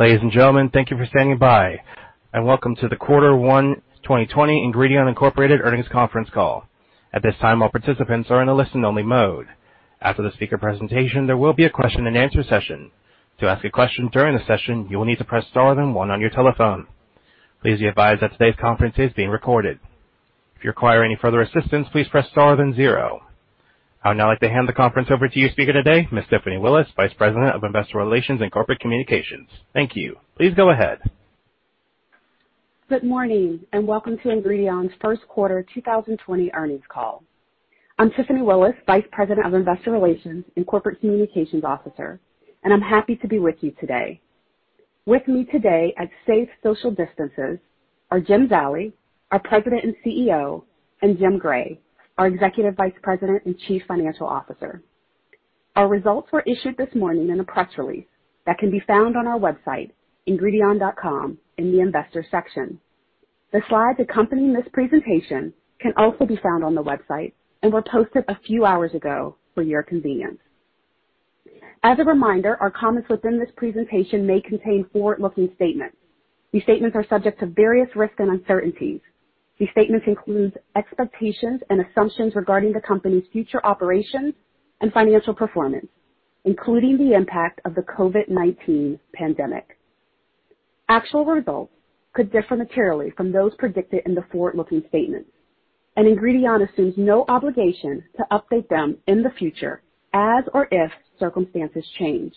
Ladies and gentlemen, thank you for standing by, and welcome to the Q1 2020 Ingredion Incorporated Earnings Conference Call. At this time, all participants are in a listen-only mode. After the speaker presentation, there will be a question and answer session. To ask a question during the session, you will need to press star then one on your telephone. Please be advised that today's conference is being recorded. If you require any further assistance, please press star then zero. I would now like to hand the conference over to your speaker today, Ms. Tiffany Willis, Vice President of Investor Relations and Corporate Communications. Thank you. Please go ahead. Good morning. Welcome to Ingredion's First Quarter 2020 Earnings Call. I'm Tiffany Willis, Vice President of Investor Relations and Corporate Communications Officer, and I'm happy to be with you today. With me today at safe social distances are Jim Zallie, our President and CEO, and Jim Gray, our Executive Vice President and Chief Financial Officer. Our results were issued this morning in a press release that can be found on our website, ingredion.com, in the Investors section. The slides accompanying this presentation can also be found on the website and were posted a few hours ago for your convenience. As a reminder, our comments within this presentation may contain forward-looking statements. These statements are subject to various risks and uncertainties. These statements include expectations and assumptions regarding the company's future operations and financial performance, including the impact of the COVID-19 pandemic. Actual results could differ materially from those predicted in the forward-looking statements, and Ingredion assumes no obligation to update them in the future as or if circumstances change.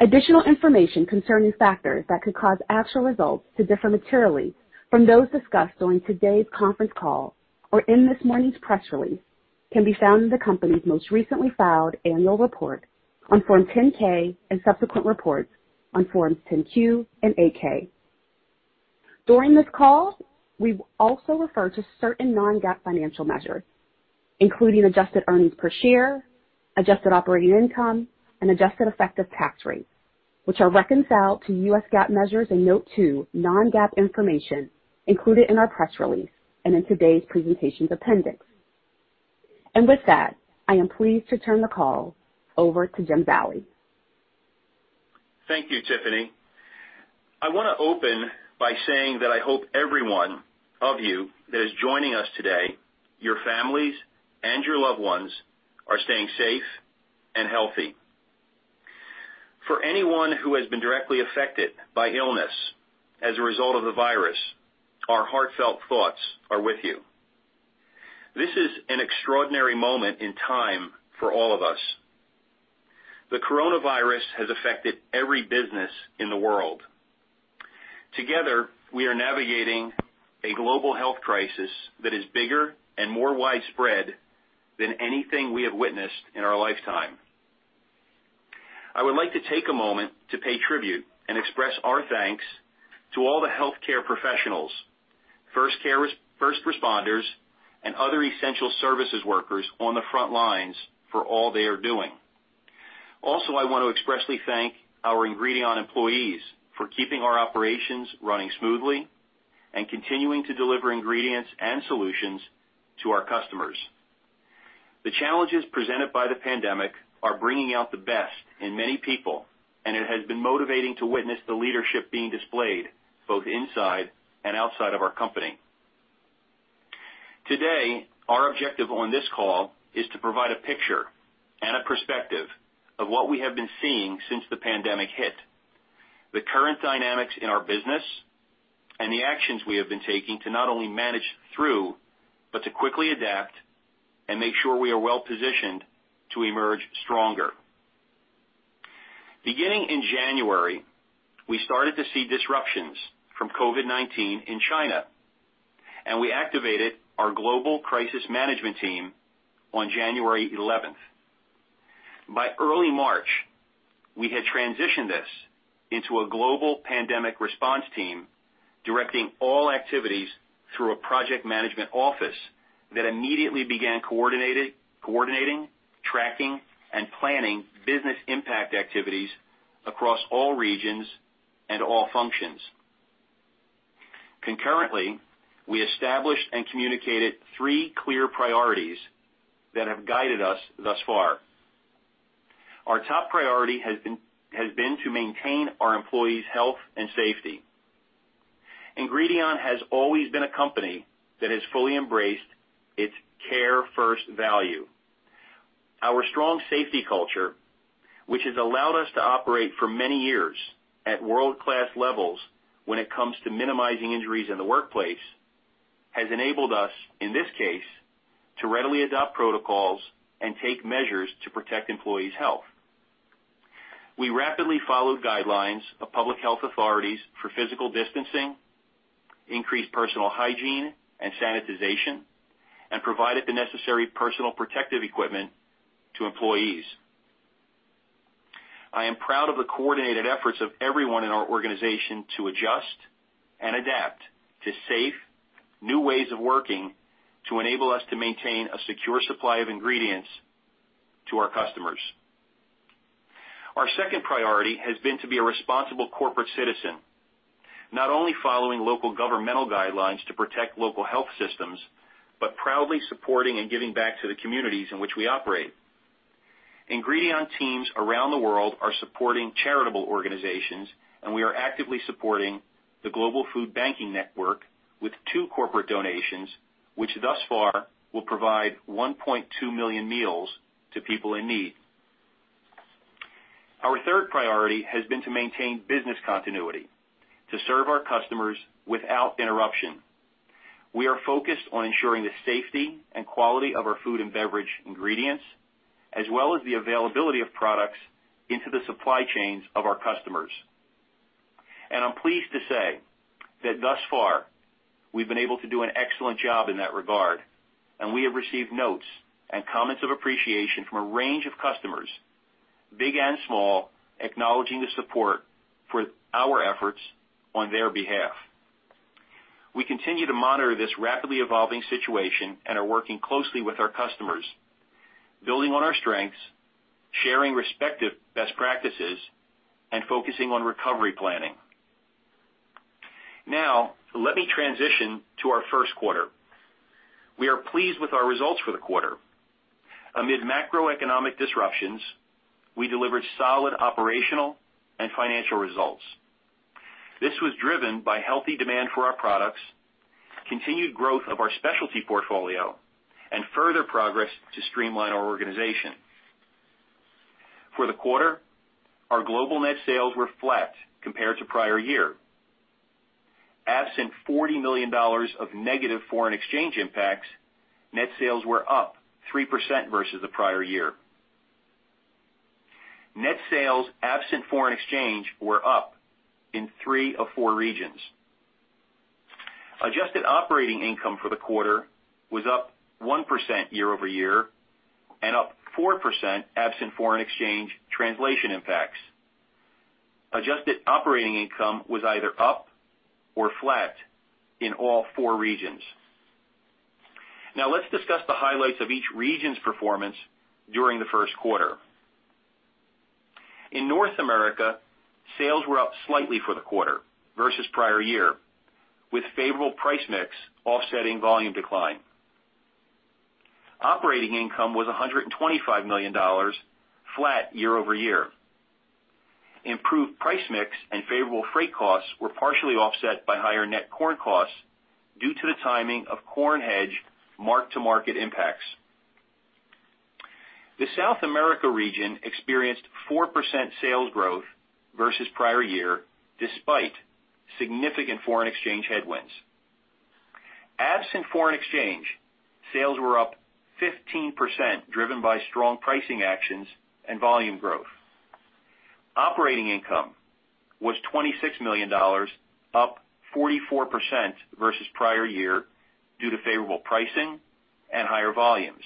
Additional information concerning factors that could cause actual results to differ materially from those discussed during today's conference call or in this morning's press release can be found in the company's most recently filed annual report on Form 10-K and subsequent reports on Forms 10-Q and 8-K. During this call, we also refer to certain non-GAAP financial measures, including adjusted earnings per share, adjusted operating income, and adjusted effective tax rates, which are reconciled to US GAAP measures in Note two, Non-GAAP Information, included in our press release and in today's presentation appendix. With that, I am pleased to turn the call over to Jim Zallie. Thank you, Tiffany. I want to open by saying that I hope every one of you that is joining us today, your families, and your loved ones are staying safe and healthy. For anyone who has been directly affected by illness as a result of the virus, our heartfelt thoughts are with you. This is an extraordinary moment in time for all of us. The coronavirus has affected every business in the world. Together, we are navigating a global health crisis that is bigger and more widespread than anything we have witnessed in our lifetime. I would like to take a moment to pay tribute and express our thanks to all the healthcare professionals, first responders, and other essential services workers on the front lines for all they are doing. Also, I want to expressly thank our Ingredion employees for keeping our operations running smoothly and continuing to deliver ingredients and solutions to our customers. The challenges presented by the pandemic are bringing out the best in many people, and it has been motivating to witness the leadership being displayed both inside and outside of our company. Today, our objective on this call is to provide a picture and a perspective of what we have been seeing since the pandemic hit, the current dynamics in our business, and the actions we have been taking to not only manage through but to quickly adapt and make sure we are well-positioned to emerge stronger. Beginning in January, we started to see disruptions from COVID-19 in China, and we activated our global crisis management team on January 11th. By early March, we had transitioned this into a global pandemic response team, directing all activities through a project management office that immediately began coordinating, tracking, and planning business impact activities across all regions and all functions. Concurrently, we established and communicated three clear priorities that have guided us thus far. Our top priority has been to maintain our employees' health and safety. Ingredion has always been a company that has fully embraced its care first value. Our strong safety culture, which has allowed us to operate for many years at world-class levels when it comes to minimizing injuries in the workplace, has enabled us, in this case, to readily adopt protocols and take measures to protect employees' health. We rapidly followed guidelines of public health authorities for physical distancing, increased personal hygiene and sanitization, and provided the necessary personal protective equipment to employees. I am proud of the coordinated efforts of everyone in our organization to adjust and adapt to safe, new ways of working to enable us to maintain a secure supply of ingredients to our customers. Our second priority has been to be a responsible corporate citizen. Not only following local governmental guidelines to protect local health systems, but proudly supporting and giving back to the communities in which we operate. Ingredion teams around the world are supporting charitable organizations, and we are actively supporting the global food banking network with two corporate donations, which thus far will provide 1.2 million meals to people in need. Our third priority has been to maintain business continuity to serve our customers without interruption. We are focused on ensuring the safety and quality of our food and beverage ingredients, as well as the availability of products into the supply chains of our customers. I'm pleased to say that thus far, we've been able to do an excellent job in that regard, and we have received notes and comments of appreciation from a range of customers, big and small, acknowledging the support for our efforts on their behalf. We continue to monitor this rapidly evolving situation and are working closely with our customers, building on our strengths, sharing respective best practices, and focusing on recovery planning. Let me transition to our first quarter. We are pleased with our results for the quarter. Amid macroeconomic disruptions, we delivered solid operational and financial results. This was driven by healthy demand for our products, continued growth of our specialty portfolio, and further progress to streamline our organization. For the quarter, our global net sales were flat compared to prior year. Absent $40 million of negative foreign exchange impacts, net sales were up 3% versus the prior year. Net sales, absent foreign exchange, were up in three of four regions. Adjusted operating income for the quarter was up 1% year-over-year and up 4% absent foreign exchange translation impacts. Adjusted operating income was either up or flat in all four regions. Now let's discuss the highlights of each region's performance during the first quarter. In North America, sales were up slightly for the quarter versus prior year, with favorable price mix offsetting volume decline. Operating income was $125 million, flat year-over-year. Improved price mix and favorable freight costs were partially offset by higher net corn costs due to the timing of corn hedge mark-to-market impacts. The South America region experienced 4% sales growth versus prior year, despite significant foreign exchange headwinds. Absent foreign exchange, sales were up 15%, driven by strong pricing actions and volume growth. Operating income was $26 million, up 44% versus prior year due to favorable pricing and higher volumes.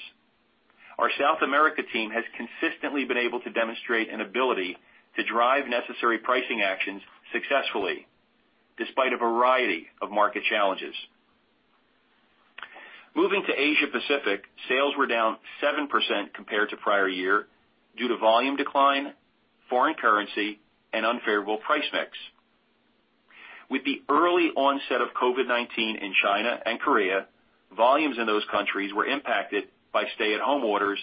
Our South America team has consistently been able to demonstrate an ability to drive necessary pricing actions successfully despite a variety of market challenges. Moving to Asia Pacific, sales were down 7% compared to prior year due to volume decline, foreign currency, and unfavorable price mix. With the early onset of COVID-19 in China and Korea, volumes in those countries were impacted by stay-at-home orders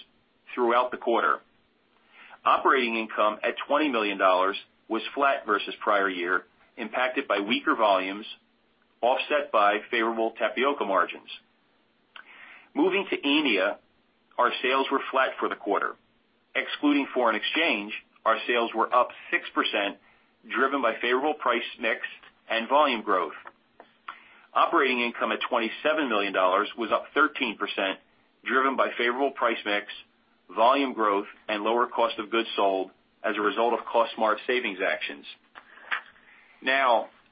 throughout the quarter. Operating income at $20 million was flat versus prior year, impacted by weaker volumes, offset by favorable tapioca margins. Moving to EMEA, our sales were flat for the quarter. Excluding foreign exchange, our sales were up 6%, driven by favorable price mix and volume growth. Operating income at $27 million was up 13%, driven by favorable price mix, volume growth, and lower cost of goods sold as a result of Cost Smart savings actions.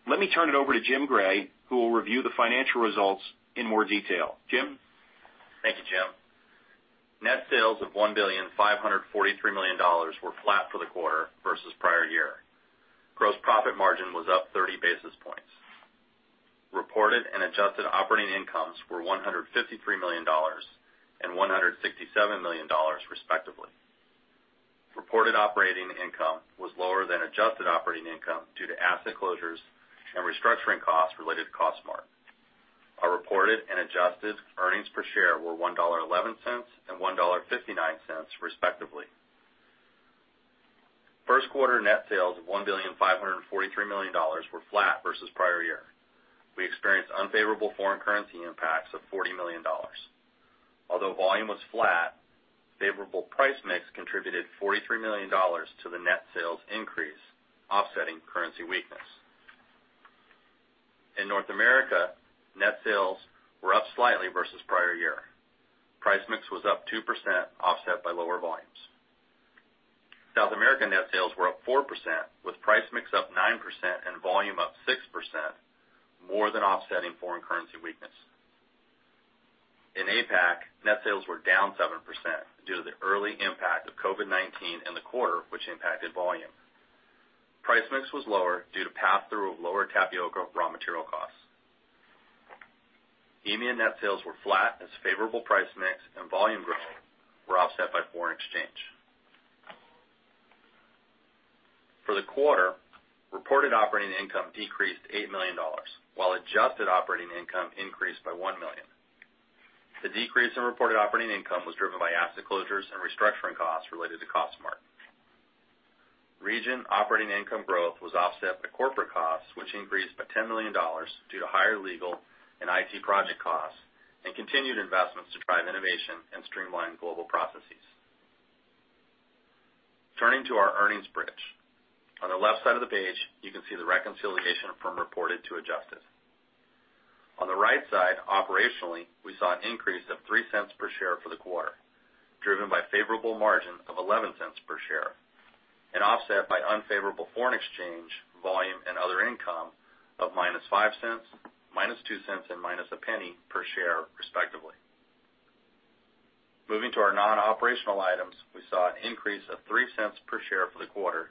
Let me turn it over to Jim Gray, who will review the financial results in more detail. Jim? Thank you, Jim. Net sales of $1,543,000,000 were flat for the quarter versus prior year. Gross profit margin was up 30 basis points. Reported and adjusted operating incomes were $153 million and $167 million, respectively. Reported operating income was lower than adjusted operating income due to asset closures and restructuring costs related to Cost Smart. Our reported and adjusted earnings per share were $1.11 and $1.59, respectively. First quarter net sales of $1.543 billion were flat versus prior year. We experienced unfavorable foreign currency impacts of $40 million. Although volume was flat, favorable price mix contributed $43 million to the net sales increase, offsetting currency weakness. In North America, net sales were up slightly versus prior year. Price mix was up 2%, offset by lower volumes. South America net sales were up 4%, with price mix up 9% and volume up 6%, more than offsetting foreign currency weakness. In APAC, net sales were down 7% due to the early impact of COVID-19 in the quarter, which impacted volume. Price mix was lower due to pass-through of lower tapioca raw material. EMEA net sales were flat as favorable price mix and volume growth were offset by foreign exchange. For the quarter, reported operating income decreased $8 million while adjusted operating income increased by $1 million. The decrease in reported operating income was driven by asset closures and restructuring costs related to Cost Smart. Region operating income growth was offset by corporate costs, which increased by $10 million due to higher legal and IT project costs and continued investments to drive innovation and streamline global processes. Turning to our earnings bridge. On the left side of the page, you can see the reconciliation from reported to adjusted. On the right side, operationally, we saw an increase of $0.03 per share for the quarter, driven by favorable margin of $0.11 per share and offset by unfavorable foreign exchange volume and other income of -$0.05, -$0.02, and -$0.01 per share, respectively. Moving to our non-operational items, we saw an increase of $0.03 per share for the quarter,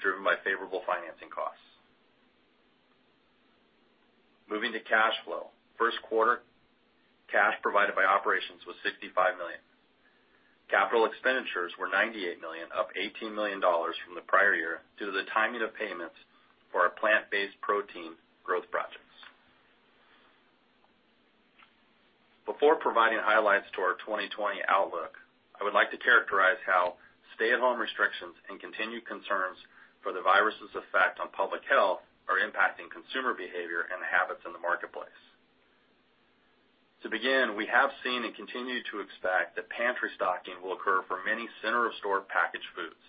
driven by favorable financing costs. Moving to cash flow. First quarter cash provided by operations was $65 million. Capital expenditures were $98 million, up $18 million from the prior year due to the timing of payments for our plant-based protein growth projects. Before providing highlights to our 2020 outlook, I would like to characterize how stay-at-home restrictions and continued concerns for the virus's effect on public health are impacting consumer behavior and habits in the marketplace. To begin, we have seen and continue to expect that pantry stocking will occur for many center-of-store packaged foods.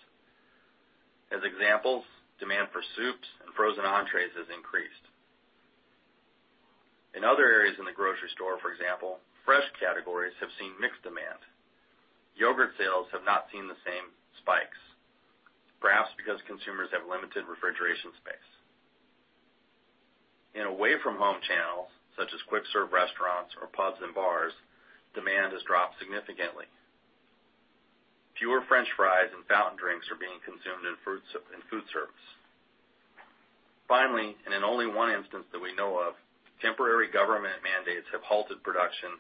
As examples, demand for soups and frozen entrees has increased. In other areas in the grocery store, for example, fresh categories have seen mixed demand. Yogurt sales have not seen the same spikes, perhaps because consumers have limited refrigeration space. In away from home channels, such as quick serve restaurants or pubs and bars, demand has dropped significantly. Fewer french fries and fountain drinks are being consumed in food service. Finally, in only one instance that we know of, temporary government mandates have halted production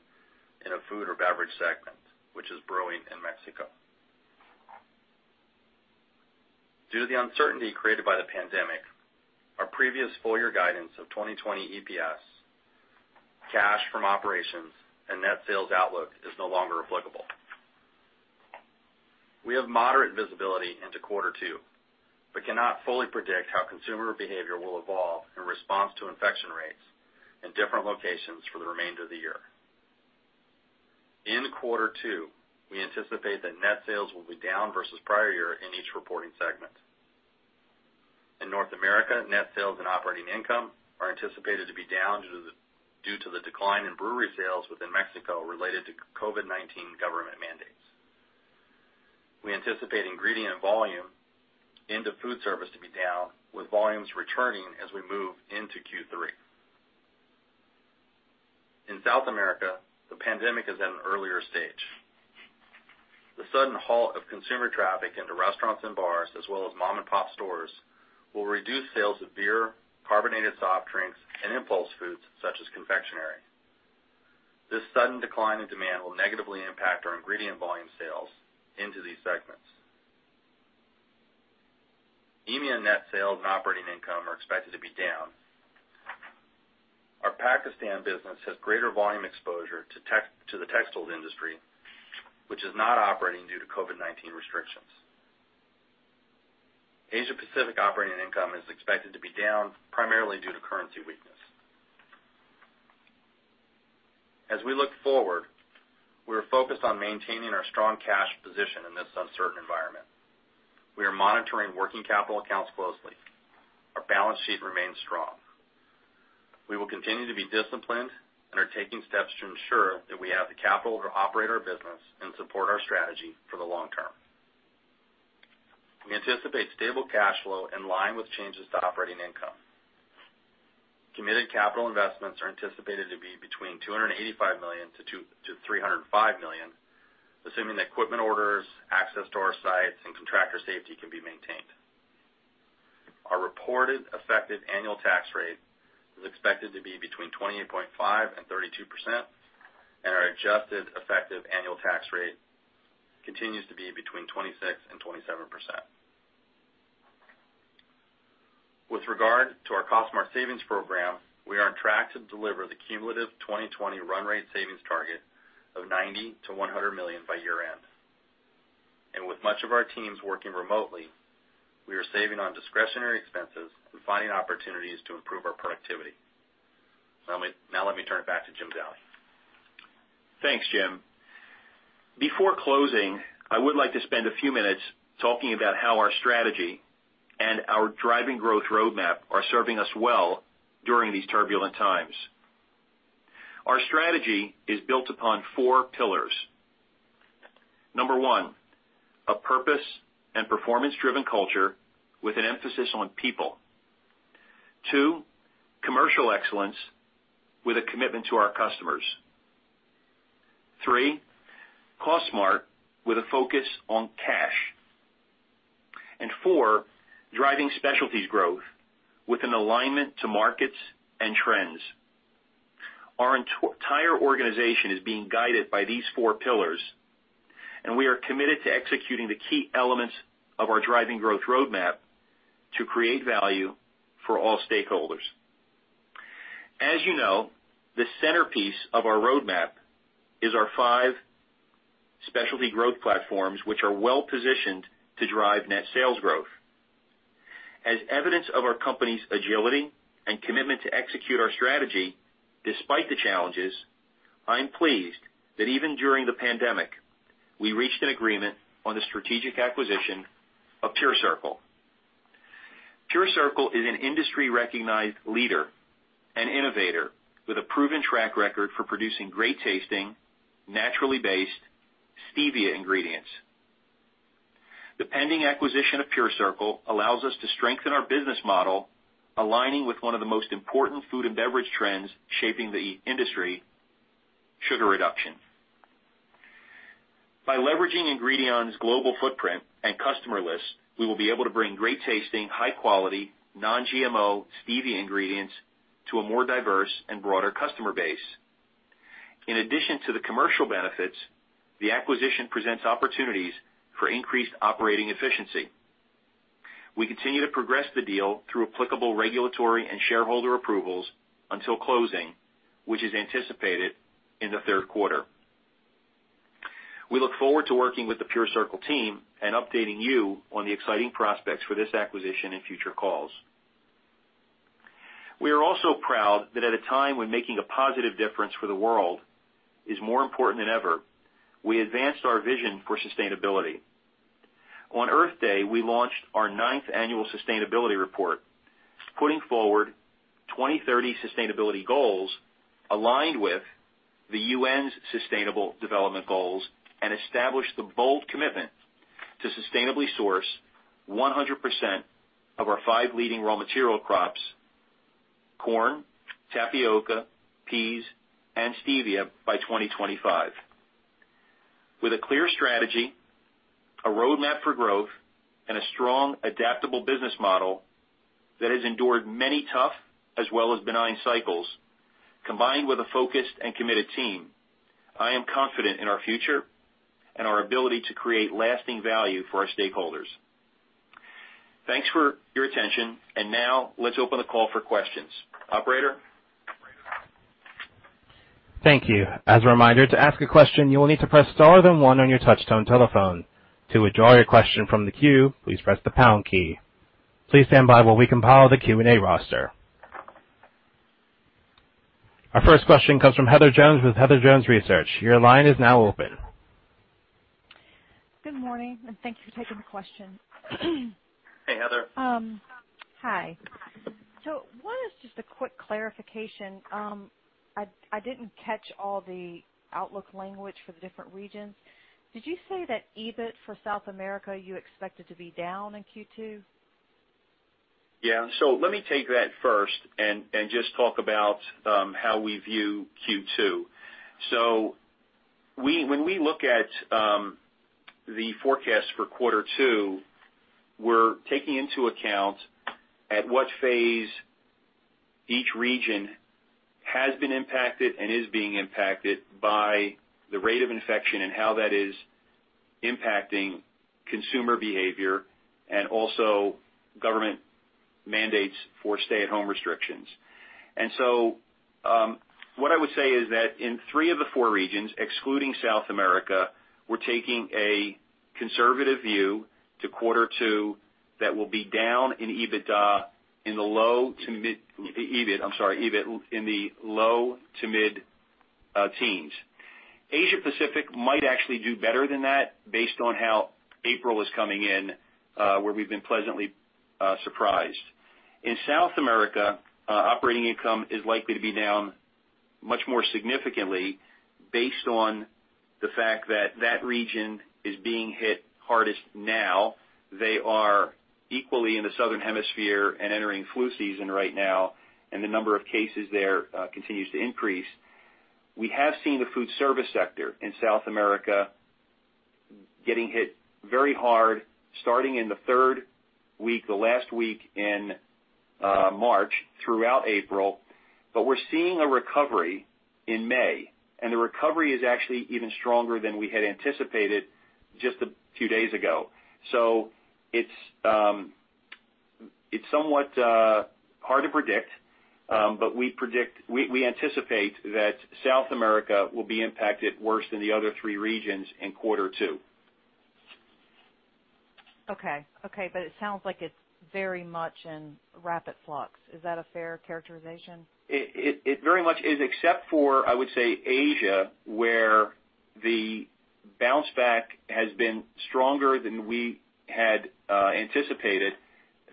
in a food or beverage segment, which is brewing in Mexico. Due to the uncertainty created by the pandemic, our previous full year guidance of 2020 EPS, cash from operations, and net sales outlook is no longer applicable. We have moderate visibility into Q2, but cannot fully predict how consumer behavior will evolve in response to infection rates in different locations for the remainder of the year. In Q2, we anticipate that net sales will be down versus prior year in each reporting segment. In North America, net sales and operating income are anticipated to be down due to the decline in brewery sales within Mexico related to COVID-19 government mandates. We anticipate ingredient volume into food service to be down, with volumes returning as we move into Q3. In South America, the pandemic is at an earlier stage. The sudden halt of consumer traffic into restaurants and bars, as well as mom-and-pop stores, will reduce sales of beer, carbonated soft drinks, and impulse foods such as confectionery. This sudden decline in demand will negatively impact our ingredient volume sales into these segments. EMEA net sales and operating income are expected to be down. Our Pakistan business has greater volume exposure to the textiles industry, which is not operating due to COVID-19 restrictions. Asia Pacific operating income is expected to be down, primarily due to currency weakness. As we look forward, we are focused on maintaining our strong cash position in this uncertain environment. We are monitoring working capital accounts closely. Our balance sheet remains strong. We will continue to be disciplined and are taking steps to ensure that we have the capital to operate our business and support our strategy for the long term. We anticipate stable cash flow in line with changes to operating income. Committed capital investments are anticipated to be between $285 million-$305 million, assuming that equipment orders, access to our sites, and contractor safety can be maintained. Our reported effective annual tax rate is expected to be between 28.5% and 32%, and our adjusted effective annual tax rate continues to be between 26% and 27%. With regard to our Cost Smart Savings program, we are on track to deliver the cumulative 2020 run rate savings target of $90 million-$100 million by year end. With much of our teams working remotely, we are saving on discretionary expenses and finding opportunities to improve our productivity. Now let me turn it back to Jim Zallie. Thanks, Jim. Before closing, I would like to spend a few minutes talking about how our strategy and our Driving Growth Roadmap are serving us well during these turbulent times. Our strategy is built upon four pillars. Number one, a purpose and performance-driven culture with an emphasis on people. Two, commercial excellence with a commitment to our customers. Three, Cost Smart with a focus on cash. Four, Driving Specialties Growth with an alignment to markets and trends. Our entire organization is being guided by these four pillars, and we are committed to executing the key elements of our Driving Growth Roadmap to create value for all stakeholders. As you know, the centerpiece of our roadmap is our five specialty growth platforms, which are well-positioned to drive net sales growth. As evidence of our company's agility and commitment to execute our strategy despite the challenges, I'm pleased that even during the pandemic, we reached an agreement on the strategic acquisition of PureCircle. PureCircle is an industry-recognized leader and innovator with a proven track record for producing great-tasting, naturally-based stevia ingredients. The pending acquisition of PureCircle allows us to strengthen our business model, aligning with one of the most important food and beverage trends shaping the industry, sugar reduction. By leveraging Ingredion's global footprint and customer list, we will be able to bring great tasting, high quality, non-GMO stevia ingredients to a more diverse and broader customer base. In addition to the commercial benefits, the acquisition presents opportunities for increased operating efficiency. We continue to progress the deal through applicable regulatory and shareholder approvals until closing, which is anticipated in the third quarter. We look forward to working with the PureCircle team and updating you on the exciting prospects for this acquisition in future calls. We are also proud that at a time when making a positive difference for the world is more important than ever, we advanced our vision for sustainability. On Earth Day, we launched our ninth annual sustainability report, putting forward 2030 sustainability goals aligned with the UN's Sustainable Development Goals, and established the bold commitment to sustainably source 100% of our five leading raw material crops, corn, tapioca, peas, and stevia by 2025. With a clear strategy, a roadmap for growth, and a strong, adaptable business model that has endured many tough as well as benign cycles, combined with a focused and committed team, I am confident in our future and our ability to create lasting value for our stakeholders. Thanks for your attention. Now let's open the call for questions. Operator? Thank you. As a reminder, to ask a question, you will need to press star then one on your touchtone telephone. To withdraw your question from the queue, please press the pound key. Please stand by while we compile the Q&A roster. Our first question comes from Heather Jones with Heather Jones Research. Your line is now open. Good morning, thank you for taking the question. Hey, Heather. Hi. One is just a quick clarification. I didn't catch all the outlook language for the different regions. Did you say that EBIT for South America, you expect it to be down in Q2? Yeah. Let me take that first and just talk about how we view Q2. When we look at the forecast for quarter two, we're taking into account at what phase each region has been impacted and is being impacted by the rate of infection and how that is impacting consumer behavior and also government mandates for stay-at-home restrictions. What I would say is that in three of the four regions, excluding South America, we're taking a conservative view to quarter two that will be down in EBIT, I'm sorry, in the low to mid teens. Asia Pacific might actually do better than that based on how April is coming in, where we've been pleasantly surprised. In South America, operating income is likely to be down much more significantly based on the fact that that region is being hit hardest now. They are equally in the Southern Hemisphere and entering flu season right now, and the number of cases there continues to increase. We have seen the food service sector in South America getting hit very hard starting in the third week, the last week in March, throughout April, but we're seeing a recovery in May, and the recovery is actually even stronger than we had anticipated just a few days ago. It's somewhat hard to predict, but we anticipate that South America will be impacted worse than the other three regions in quarter two. Okay. It sounds like it's very much in rapid flux. Is that a fair characterization? It very much is, except for, I would say, Asia, where the bounce back has been stronger than we had anticipated,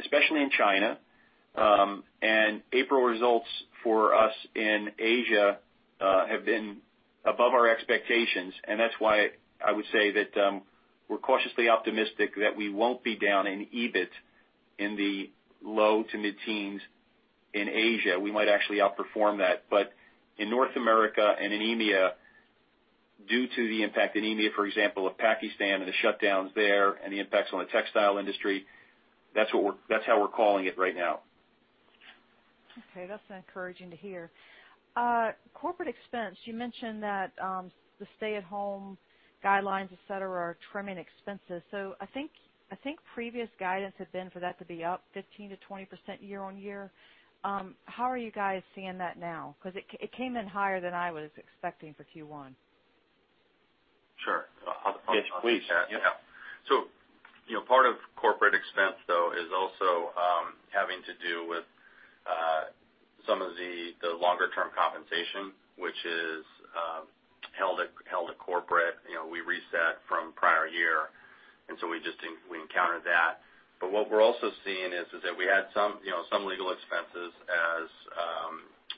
especially in China. April results for us in Asia have been above our expectations, and that's why I would say that we're cautiously optimistic that we won't be down in EBIT in the low to mid-teens. In Asia, we might actually outperform that. In North America and in EMEA, due to the impact in EMEA, for example, of Pakistan and the shutdowns there and the impacts on the textile industry, that's how we're calling it right now. Okay. That's encouraging to hear. Corporate expense, you mentioned that the stay-at-home guidelines, et cetera, are trimming expenses. I think previous guidance had been for that to be up 15%-20% year-on-year. How are you guys seeing that now? It came in higher than I was expecting for Q1. Sure. Page, please. Yeah. Part of corporate expense, though, is also having to do with some of the longer-term compensation, which is held at corporate. We reset from prior year, and so we encountered that. What we're also seeing is that we had some legal expenses as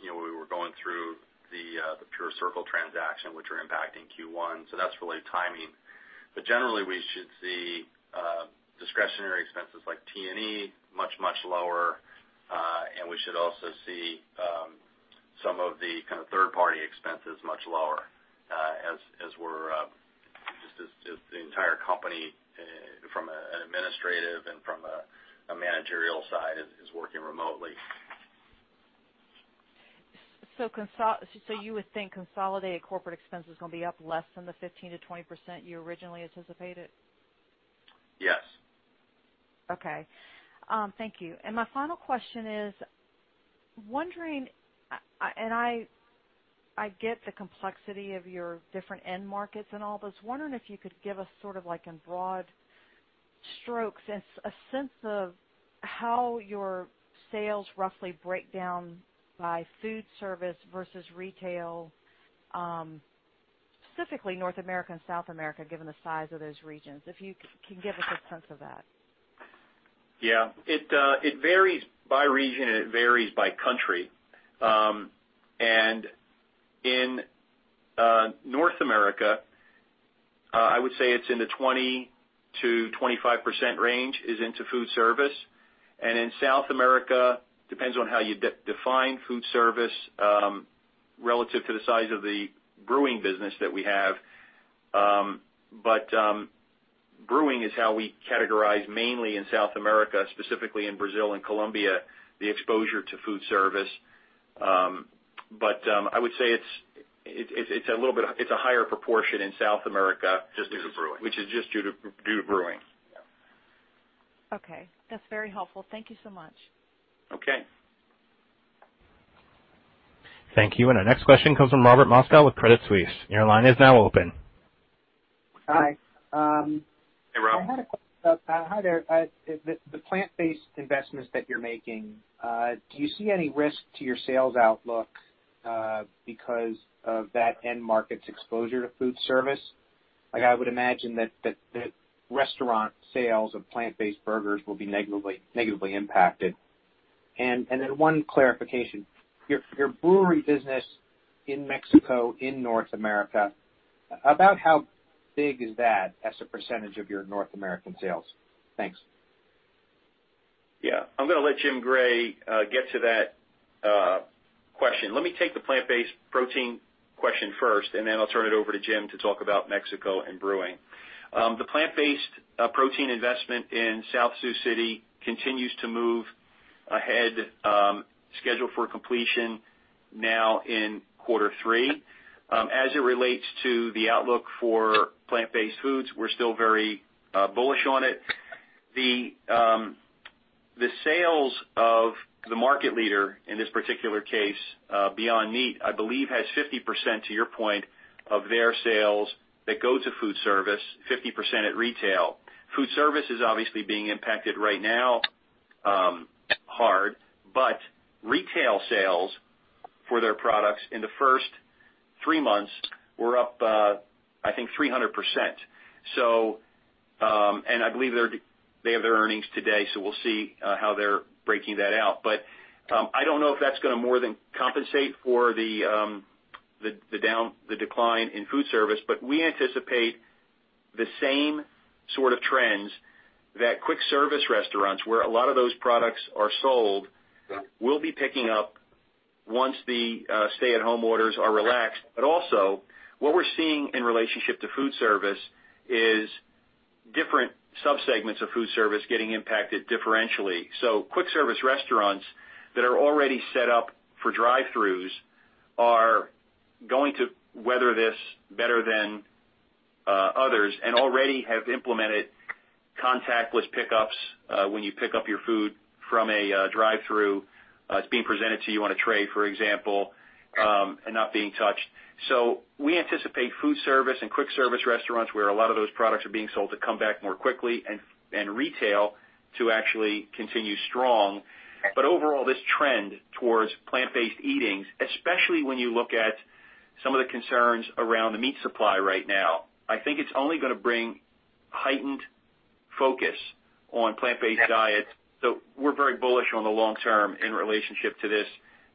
we were going through the PureCircle transaction, which are impacting Q1, so that's really timing. Generally, we should see discretionary expenses like T&E much, much lower. We should also see some of the kind of third-party expenses much lower as the entire company from an administrative and from a managerial side is working remotely. You would think consolidated corporate expense is going to be up less than the 15%-20% you originally anticipated? Yes. Okay. Thank you. My final question is, I get the complexity of your different end markets and all, but I was wondering if you could give us sort of like in broad strokes, a sense of how your sales roughly break down by food service versus retail, specifically North America and South America, given the size of those regions, if you can give us a sense of that? Yeah. It varies by region. It varies by country. In North America, I would say it's in the 20%-25% range is into food service. In South America, it depends on how you define food service relative to the size of the brewing business that we have. Brewing is how we categorize mainly in South America, specifically in Brazil and Colombia, the exposure to food service. I would say it's a higher proportion in South America. Just due to brewing. Which is just due to brewing. Okay. That's very helpful. Thank you so much. Okay. Thank you. Our next question comes from Robert Moskow with Credit Suisse. Your line is now open. Hi. Hey, Rob. Hi there. The plant-based investments that you're making, do you see any risk to your sales outlook because of that end market's exposure to food service? I would imagine that restaurant sales of plant-based burgers will be negatively impacted. One clarification, your brewery business in Mexico, in North America, about how big is that as a percentage of your North American sales? Thanks. Yeah. I'm going to let Jim Gray get to that question. Let me take the plant-based protein question first, then I'll turn it over to Jim to talk about Mexico and brewing. The plant-based protein investment in South Sioux City continues to move ahead, scheduled for completion now in quarter three. As it relates to the outlook for plant-based foods, we're still very bullish on it. The sales of the market leader in this particular case, Beyond Meat, I believe, has 50%, to your point, of their sales that go to food service, 50% at retail. Food service is obviously being impacted right now hard, but retail sales for their products in the first three months were up, I think, 300%. I believe they have their earnings today, so we'll see how they're breaking that out. I don't know if that's going to more than compensate for the decline in food service, but we anticipate the same sort of trends that quick service restaurants, where a lot of those products are sold, will be picking up once the stay-at-home orders are relaxed. Also, what we're seeing in relationship to food service is different subsegments of food service getting impacted differentially. Quick service restaurants that are already set up for drive-throughs are going to weather this better than others and already have implemented contactless pickups when you pick up your food from a drive-through. It's being presented to you on a tray, for example, and not being touched. We anticipate food service and quick service restaurants where a lot of those products are being sold to come back more quickly and retail to actually continue strong. Overall, this trend towards plant-based eating, especially when you look at some of the concerns around the meat supply right now, I think it's only going to bring heightened focus on plant-based diets. We're very bullish on the long term in relationship to this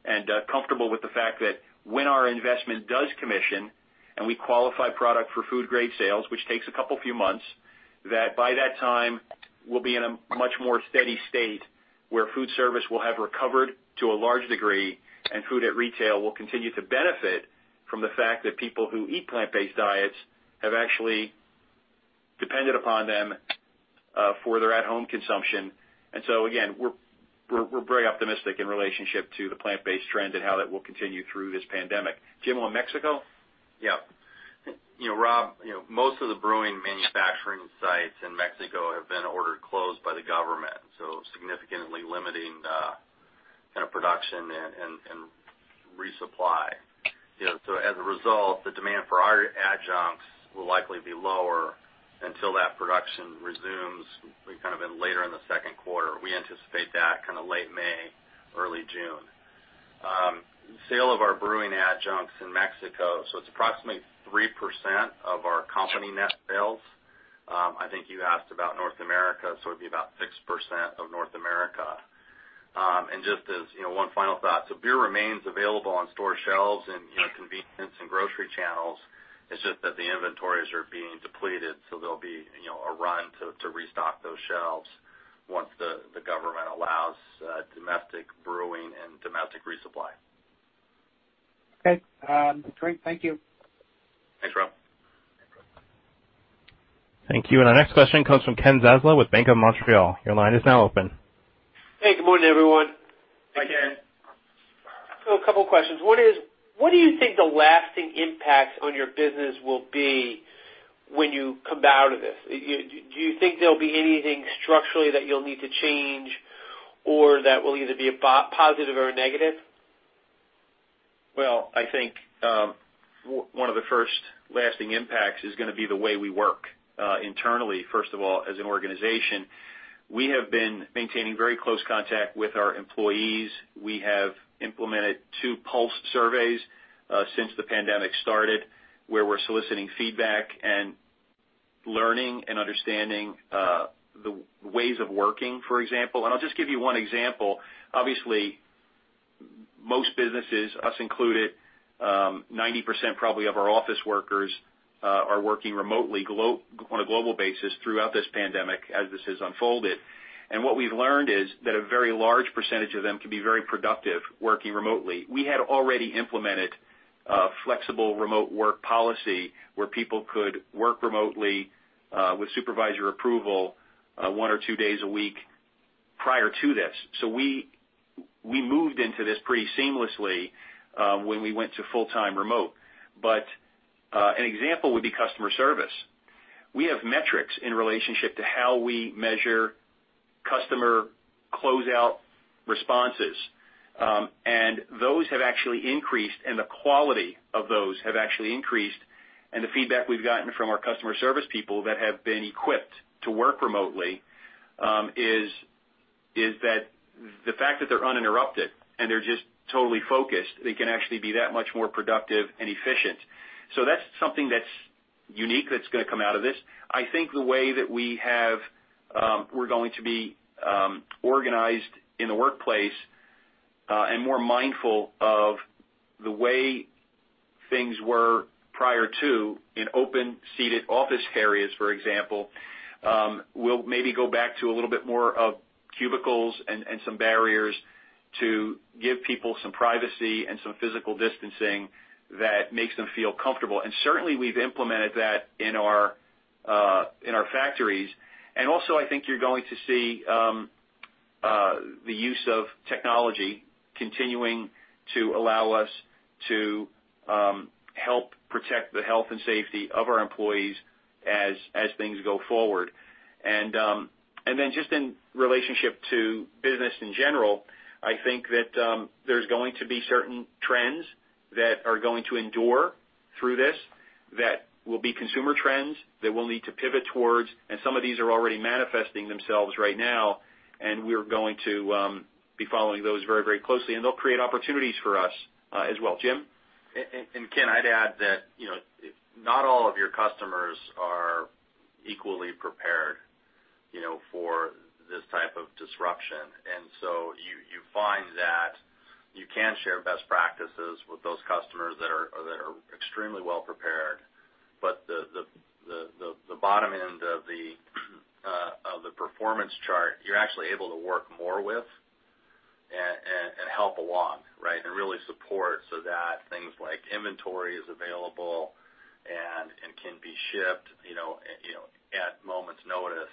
and comfortable with the fact that when our investment does commission and we qualify product for food grade sales, which takes a couple few months. That by that time, we'll be in a much more steady state where food service will have recovered to a large degree, and food at retail will continue to benefit from the fact that people who eat plant-based diets have actually depended upon them for their at-home consumption. Again, we're very optimistic in relationship to the plant-based trend and how that will continue through this pandemic. Jim, on Mexico? Rob, most of the brewing manufacturing sites in Mexico have been ordered closed by the government, so significantly limiting the production and resupply. As a result, the demand for our adjuncts will likely be lower until that production resumes later in the second quarter. We anticipate that late May, early June. Sale of our brewing adjuncts in Mexico. It's approximately 3% of our company net sales. I think you asked about North America. It'd be about 6% of North America. Just as one final thought, beer remains available on store shelves in convenience and grocery channels. It's just that the inventories are being depleted, so there'll be a run to restock those shelves once the government allows domestic brewing and domestic resupply. Okay. Great. Thank you. Thanks, Rob. Thank you. Our next question comes from Ken Zaslow with BMO Capital Markets. Your line is now open. Hey, good morning, everyone. Hi, Ken. A couple of questions. One is, what do you think the lasting impact on your business will be when you come out of this? Do you think there'll be anything structurally that you'll need to change or that will either be a positive or a negative? I think one of the first lasting impacts is going to be the way we work internally, first of all, as an organization. We have been maintaining very close contact with our employees. We have implemented two pulse surveys since the pandemic started, where we're soliciting feedback and learning and understanding the ways of working, for example. I'll just give you one example. Obviously, most businesses, us included, 90% probably of our office workers are working remotely on a global basis throughout this pandemic as this has unfolded. What we've learned is that a very large percentage of them can be very productive working remotely. We had already implemented a flexible remote work policy where people could work remotely with supervisor approval one or two days a week prior to this. We moved into this pretty seamlessly when we went to full-time remote. An example would be customer service. We have metrics in relationship to how we measure customer closeout responses. Those have actually increased, and the quality of those have actually increased. The feedback we've gotten from our customer service people that have been equipped to work remotely is that the fact that they're uninterrupted and they're just totally focused, they can actually be that much more productive and efficient. That's something that's unique that's going to come out of this. I think the way that we're going to be organized in the workplace and more mindful of the way things were prior to in open-seated office areas, for example, we'll maybe go back to a little bit more of cubicles and some barriers to give people some privacy and some physical distancing that makes them feel comfortable. Certainly, we've implemented that in our factories. Also, I think you're going to see the use of technology continuing to allow us to help protect the health and safety of our employees as things go forward. Then just in relationship to business in general, I think that there's going to be certain trends that are going to endure through this that will be consumer trends that we'll need to pivot towards. Some of these are already manifesting themselves right now, and we're going to be following those very closely, and they'll create opportunities for us as well. Jim? Ken, I'd add that not all of your customers are equally prepared for this type of disruption. You find that you can share best practices with those customers that are extremely well prepared. The bottom end of the performance chart, you're actually able to work more with and help along, and really support so that things like inventory is available and can be shipped at moment's notice.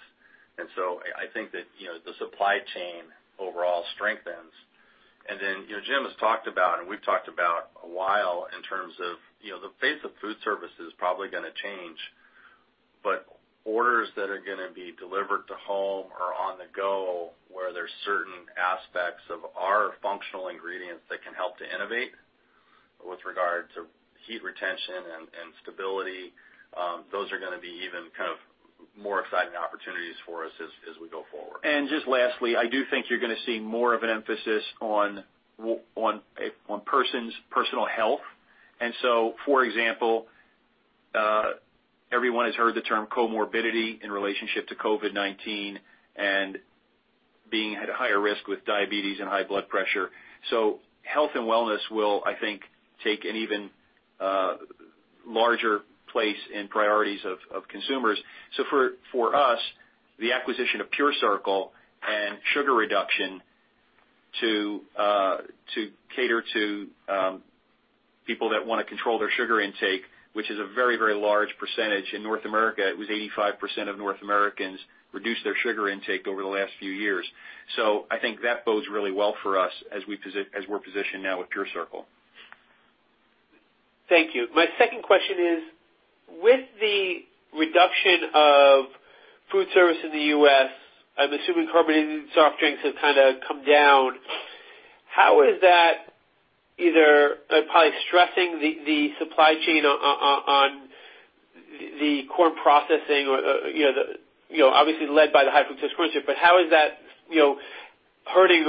I think that the supply chain overall strengthens. Then Jim has talked about, and we've talked about a while in terms of the face of food service is probably going to change. Orders that are going to be delivered to home or on the go, where there's certain aspects of our functional ingredients that can help to innovate with regard to heat retention and stability, those are going to be even kind of more exciting opportunities for us as we go forward. Just lastly, I do think you're going to see more of an emphasis on personal health. For example, everyone has heard the term comorbidity in relationship to COVID-19, being at a higher risk with diabetes and high blood pressure. Health and wellness will, I think, take an even larger place in priorities of consumers. For us, the acquisition of PureCircle and sugar reduction to cater to people that want to control their sugar intake, which is a very large percentage. In North America, it was 85% of North Americans reduced their sugar intake over the last few years. I think that bodes really well for us as we're positioned now with PureCircle. Thank you. My second question is, with the reduction of food service in the U.S., I'm assuming carbonated soft drinks have kind of come down. How is that either probably stressing the supply chain on the corn processing, obviously led by the high fructose corn syrup, but how is that hurting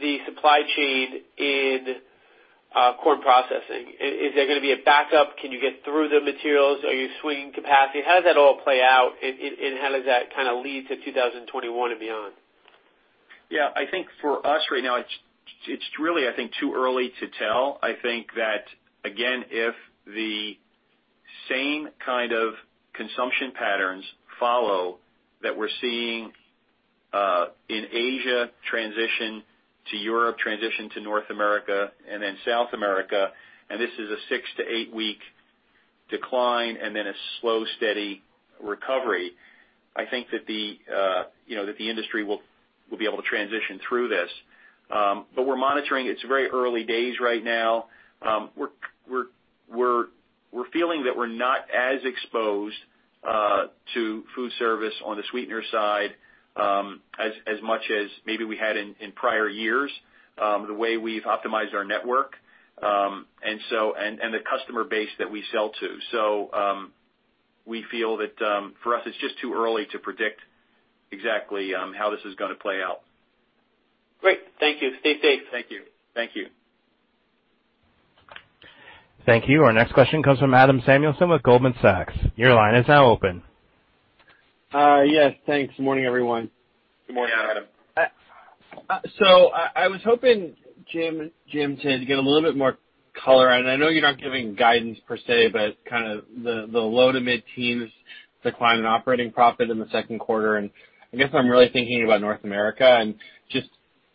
the supply chain in corn processing? Is there going to be a backup? Can you get through the materials? Are you swinging capacity? How does that all play out, and how does that lead to 2021 and beyond? I think for us right now, it's really too early to tell. I think that, again, if the same kind of consumption patterns follow that we're seeing in Asia transition to Europe, transition to North America and then South America, and this is a six to eight-week decline and then a slow, steady recovery. I think that the industry will be able to transition through this. We're monitoring. It's very early days right now. We're feeling that we're not as exposed to food service on the sweetener side as much as maybe we had in prior years the way we've optimized our network and the customer base that we sell to. We feel that for us, it's just too early to predict exactly how this is going to play out. Great. Thank you. Stay safe. Thank you. Thank you. Our next question comes from Adam Samuelson with Goldman Sachs. Your line is now open. Yes, thanks. Morning, everyone. Good morning, Adam. I was hoping, Jim, to get a little bit more color, and I know you're not giving guidance per se, but kind of the low to mid-teens decline in operating profit in the second quarter, and I guess I'm really thinking about North America and just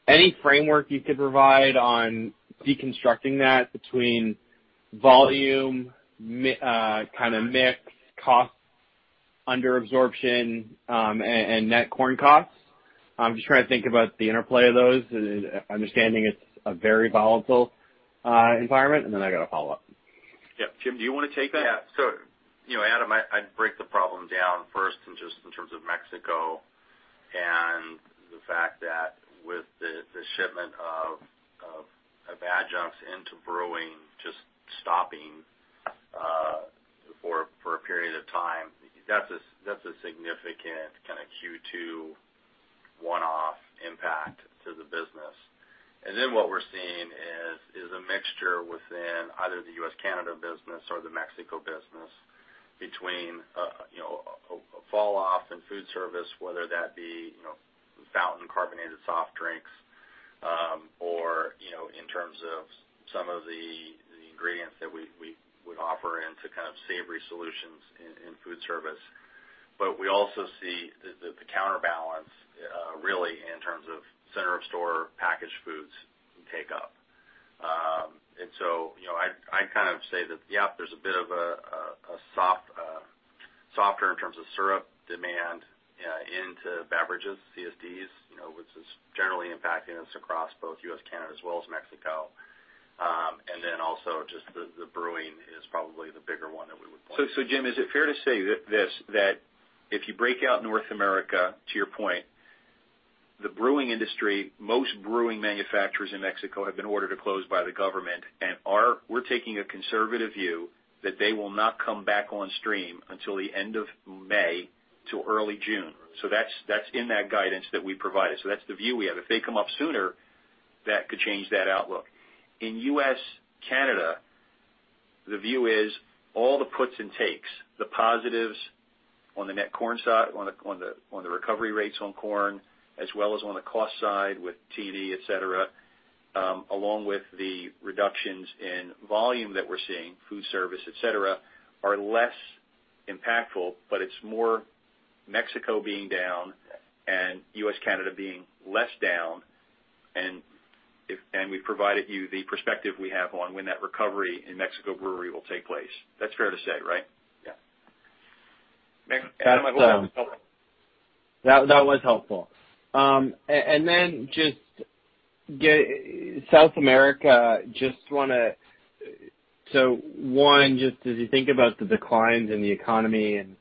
any framework you could provide on deconstructing that between volume, kind of mix, cost under absorption, and net corn costs. I'm just trying to think about the interplay of those, understanding it's a very volatile environment. I got a follow-up. Yep. Jim, do you want to take that? Adam, I'd break the problem down first in just in terms of Mexico and the fact that with the shipment of adjuncts into brewing just stopping for a period of time, that's a significant kind of Q2 one-off impact to the business. What we're seeing is a mixture within either the U.S.-Canada business or the Mexico business between a fall off in food service, whether that be fountain carbonated soft drinks or in terms of some of the ingredients that we would offer into kind of savory solutions in food service. We also see the counterbalance really in terms of center of store packaged foods take up. I'd say that, yep, there's a bit of a softer in terms of syrup demand into beverages, CSDs, which is generally impacting us across both U.S., Canada as well as Mexico. Also just the brewing is probably the bigger one that we would point to. Jim, is it fair to say this, that if you break out North America, to your point, the brewing industry, most brewing manufacturers in Mexico have been ordered to close by the government, and we're taking a conservative view that they will not come back on stream until the end of May to early June. That's in that guidance that we provided. That's the view we have. If they come up sooner, that could change that outlook. In U.S., Canada, the view is all the puts and takes, the positives on the net corn side, on the recovery rates on corn as well as on the cost side with T&E, et cetera, along with the reductions in volume that we're seeing, food service, et cetera, are less impactful, but it's more Mexico being down and U.S., Canada being less down, and we've provided you the perspective we have on when that recovery in Mexico brewery will take place. That's fair to say, right? Yeah. That was helpful. Just South America, as you think about the declines in the economy and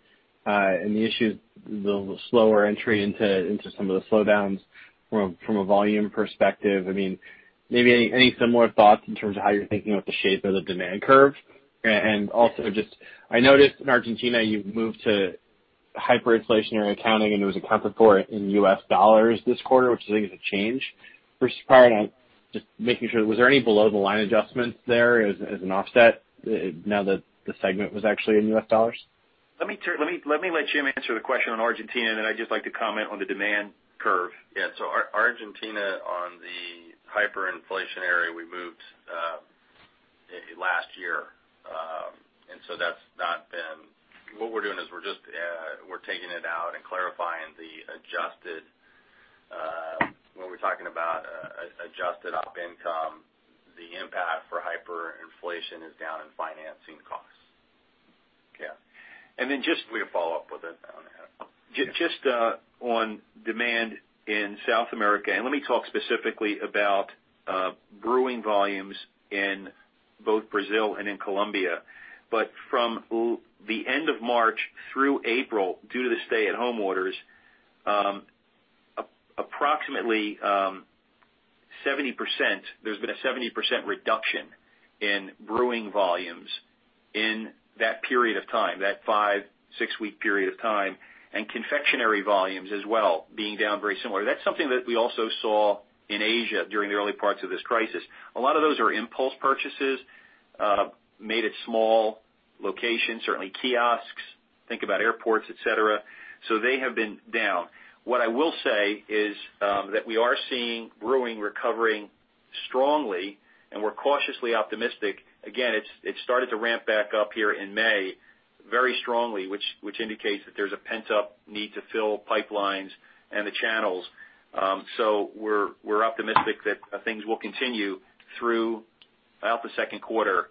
the issues, the slower entry into some of the slowdowns from a volume perspective. Maybe any similar thoughts in terms of how you're thinking about the shape of the demand curve? I noticed in Argentina you've moved to hyperinflationary accounting, and it was accounted for in US dollars this quarter, which I think is a change. Was there any below the line adjustments there as an offset now that the segment was actually in U.S. dollars? Let me let Jim answer the question on Argentina, and then I'd just like to comment on the demand curve. Argentina, on the hyperinflation area, we moved last year. What we're doing is we're taking it out and clarifying the adjusted, when we're talking about adjusted up income, the impact for hyperinflation is down in financing costs. Okay. Let me follow up with it on that. Just on demand in South America, and let me talk specifically about brewing volumes in both Brazil and in Colombia. From the end of March through April, due to the stay-at-home orders, there's been a 70% reduction in brewing volumes in that period of time, that five, six-week period of time, and confectionary volumes as well being down very similar. That's something that we also saw in Asia during the early parts of this crisis. A lot of those are impulse purchases made at small locations, certainly kiosks. Think about airports, et cetera. They have been down. What I will say is that we are seeing brewing recovering strongly, and we're cautiously optimistic. Again, it started to ramp back up here in May very strongly, which indicates that there's a pent-up need to fill pipelines and the channels. We're optimistic that things will continue through about the second quarter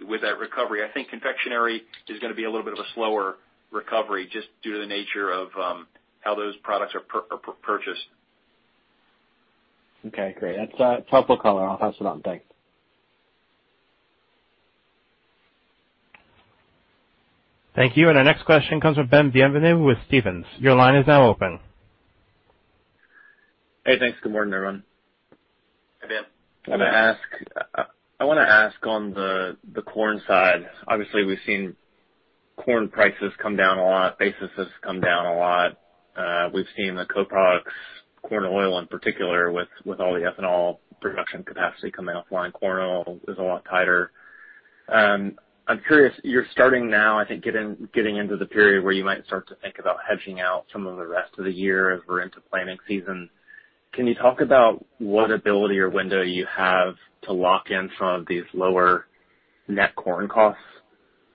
with that recovery. I think confectionery is going to be a little bit of a slower recovery, just due to the nature of how those products are purchased. Okay, great. That's helpful color. I'll pass it on. Thanks. Thank you. Our next question comes from Ben Bienvenu with Stephens. Your line is now open. Hey, thanks. Good morning, everyone. Hey, Ben. I want to ask on the corn side, obviously, we've seen corn prices come down a lot, basis has come down a lot. We've seen the co-products, corn oil in particular, with all the ethanol production capacity coming offline, corn oil is a lot tighter. I'm curious, you're starting now, I think, getting into the period where you might start to think about hedging out some of the rest of the year as we're into planting season. Can you talk about what ability or window you have to lock in some of these lower net corn costs?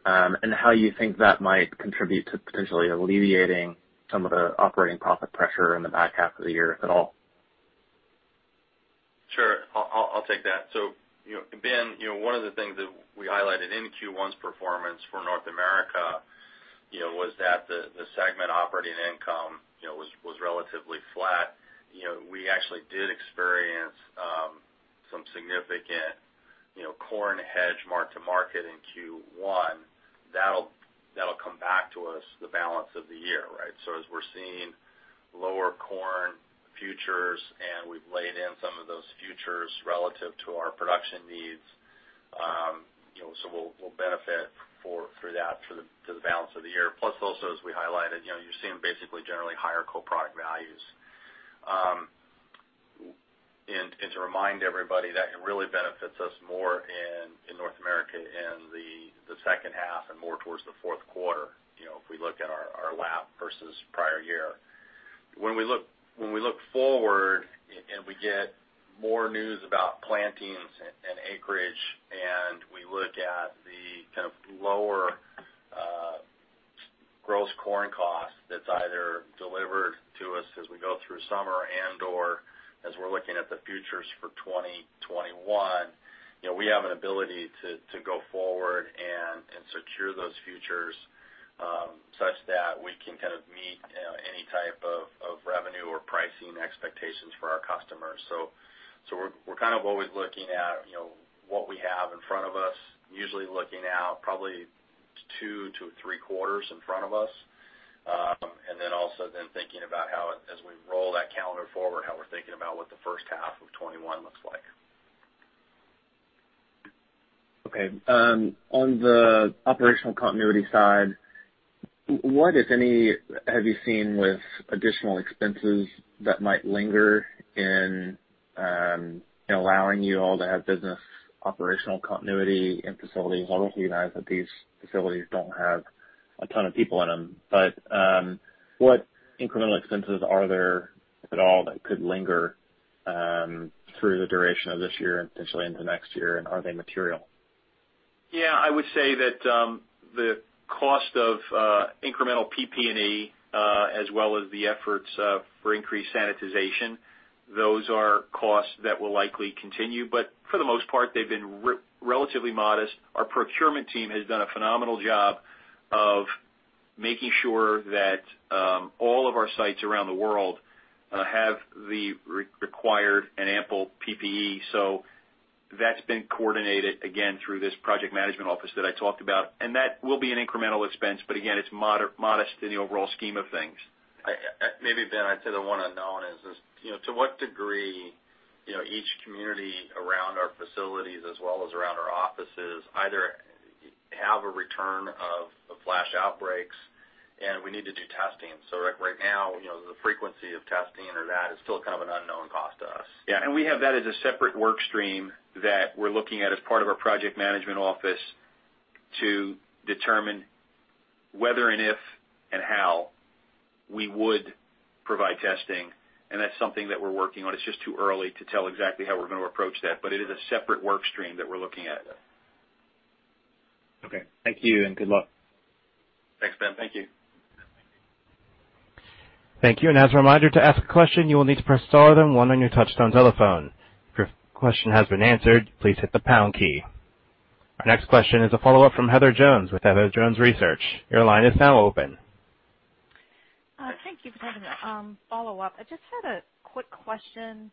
How you think that might contribute to potentially alleviating some of the operating profit pressure in the back half of the year, if at all? Sure. I'll take that. Ben, one of the things that we highlighted in Q1's performance for North America was that the segment operating income was relatively flat. We actually did experience some significant corn hedge mark to market in Q1. That'll come back to us the balance of the year, right? As we're seeing lower corn futures, and we've laid in some of those futures relative to our production needs, so we'll benefit through that to the balance of the year. Plus also, as we highlighted, you're seeing basically generally higher co-product values. To remind everybody, that really benefits us more in North America in the second half and more towards the fourth quarter, if we look at our lap versus prior year. When we look forward and we get more news about plantings and acreage, and we look at the kind of lower gross corn cost that's either delivered to us as we go through summer and/or as we're looking at the futures for 2021, we have an ability to go forward and secure those futures, such that we can kind of meet any type of revenue or pricing expectations for our customers. We're kind of always looking at what we have in front of us, usually looking out probably two to three quarters in front of us. Also then thinking about how, as we roll that calendar forward, how we're thinking about what the first half of 2021 looks like. Okay. On the operational continuity side, what, if any, have you seen with additional expenses that might linger in allowing you all to have business operational continuity in facilities? Obviously, you know that these facilities don't have a ton of people in them. What incremental expenses are there at all that could linger through the duration of this year and potentially into next year, and are they material? Yeah, I would say that the cost of incremental PP&E, as well as the efforts for increased sanitization, those are costs that will likely continue, but for the most part, they've been relatively modest. Our procurement team has done a phenomenal job of making sure that all of our sites around the world have the required and ample PP&E. That's been coordinated, again, through this project management office that I talked about. That will be an incremental expense, but again, it's modest in the overall scheme of things. Maybe, Ben, I'd say the one unknown is this, to what degree each community around our facilities as well as around our offices either have a return of a flash outbreak. We need to do testing. Right now, the frequency of testing or that is still kind of an unknown cost to us. Yeah. We have that as a separate work stream that we're looking at as part of our project management office to determine whether and if and how we would provide testing, and that's something that we're working on. It's just too early to tell exactly how we're going to approach that. It is a separate work stream that we're looking at. Okay. Thank you. Good luck. Thanks, Ben. Thank you. Thank you. As a reminder, to ask a question, you will need to press star then one on your touch-tone telephone. If your question has been answered, please hit the pound key. Our next question is a follow-up from Heather Jones with Heather Jones Research. Your line is now open. Thank you for taking my follow-up. I just had a quick question.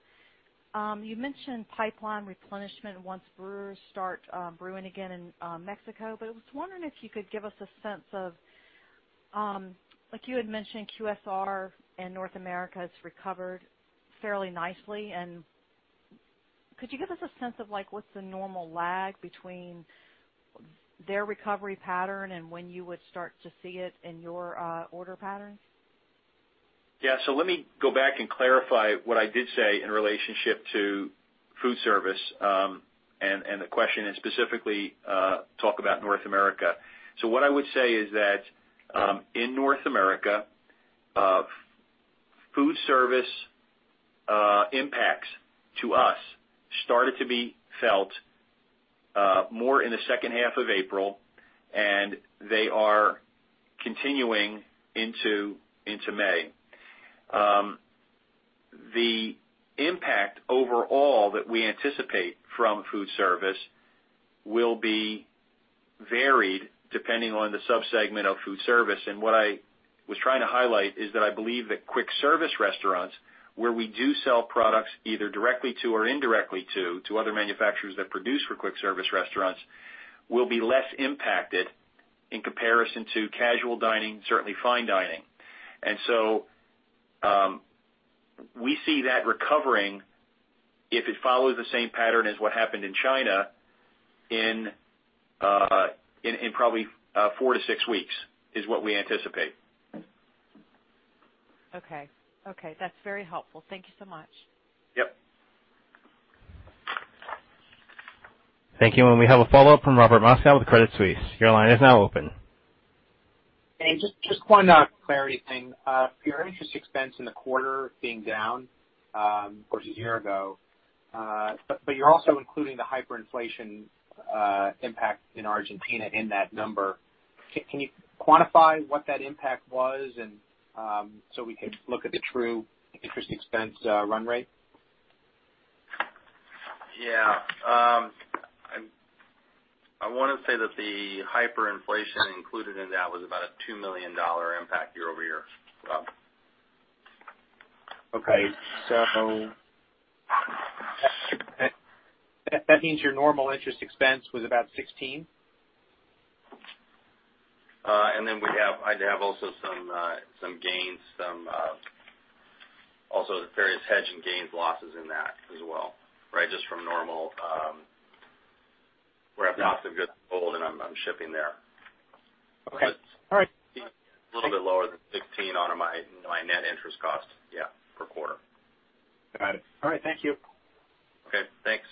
You mentioned pipeline replenishment once brewers start brewing again in Mexico. I was wondering if you could give us a sense of, like you had mentioned, QSR in North America has recovered fairly nicely. Could you give us a sense of what's the normal lag between their recovery pattern and when you would start to see it in your order patterns? Yeah. Let me go back and clarify what I did say in relationship to food service. The question is specifically talk about North America. What I would say is that, in North America, food service impacts to us started to be felt more in the second half of April, and they are continuing into May. The impact overall that we anticipate from food service will be varied depending on the sub-segment of food service. What I was trying to highlight is that I believe that quick service restaurants, where we do sell products either directly to or indirectly to other manufacturers that produce for quick service restaurants, will be less impacted in comparison to casual dining, certainly fine dining. We see that recovering, if it follows the same pattern as what happened in China, in probably four to six weeks, is what we anticipate. Okay. That's very helpful. Thank you so much. Yep. Thank you. We have a follow-up from Robert Moskow with Credit Suisse. Your line is now open. Hey, just one clarity thing. Your interest expense in the quarter being down versus a year ago, but you're also including the hyperinflation impact in Argentina in that number. Can you quantify what that impact was so we could look at the true interest expense run rate? Yeah. I want to say that the hyperinflation included in that was about a $2 million impact year-over-year. Okay. That means your normal interest expense was about $16? I have also some gains, also the various hedge and gains losses in that as well. Just from normal, where I've got some good corn and I'm shipping there. Okay. All right. A little bit lower than $16 on my net interest cost, yeah, per quarter. Got it. All right. Thank you. Okay. Thanks.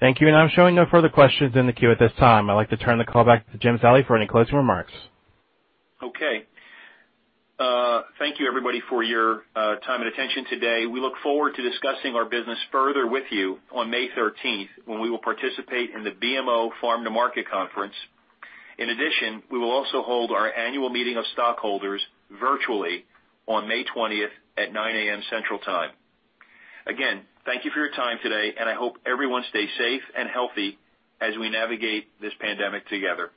Thank you. I'm showing no further questions in the queue at this time. I'd like to turn the call back to Jim Zallie for any closing remarks. Okay. Thank you everybody for your time and attention today. We look forward to discussing our business further with you on May 13th, when we will participate in the BMO Farm to Market Conference. We will also hold our annual meeting of stockholders virtually on May 20th at 9:00 A.M. Central Time. Thank you for your time today, and I hope everyone stays safe and healthy as we navigate this pandemic together.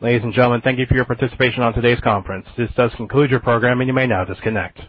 Ladies and gentlemen, thank you for your participation on today's conference. This does conclude your program, and you may now disconnect.